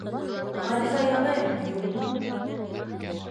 — Ғариза яҙайыммы, юҡмы?